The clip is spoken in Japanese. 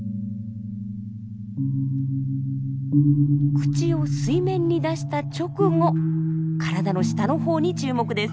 口を水面に出した直後体の下のほうに注目です。